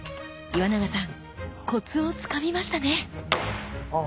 岩永さんコツをつかみましたね！